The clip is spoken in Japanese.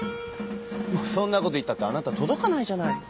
「もうそんな事言ったってあなた届かないじゃない」。